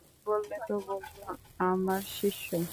বললে তো বলব, আমার শিষ্য।